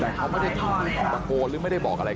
แต่เขาไม่ได้ตะโกนหรือไม่ได้บอกอะไร